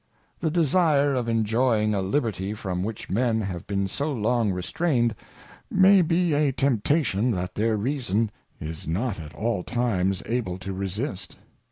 The Desire of enjoying a Liberty from which Men have been so long restrained, may be a Temptation that their Reason is not at all times able to resist.